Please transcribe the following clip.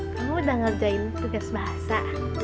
kamu udah ngerjain tugas bahasa